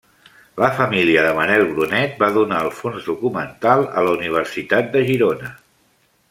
La família de Manuel Brunet va donar el fons documental a la Universitat de Girona.